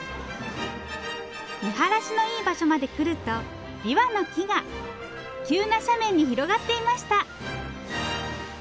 見晴らしのいい場所まで来るとびわの木が急な斜面に広がっていました。